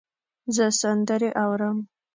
زه سندرې اورم